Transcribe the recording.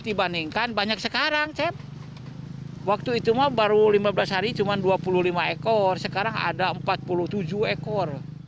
dibandingkan banyak sekarang cep waktu itu mah baru lima belas hari cuma dua puluh lima ekor sekarang ada empat puluh tujuh ekor